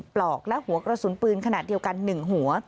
ปลอกและหัวกระสุนปืนขนาดเดียวกัน๑หัว